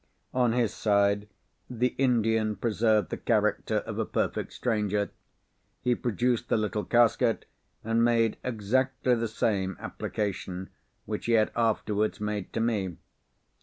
On his side, the Indian preserved the character of a perfect stranger. He produced the little casket, and made exactly the same application which he had afterwards made to me.